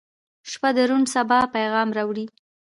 • شپه د روڼ سبا پیغام راوړي.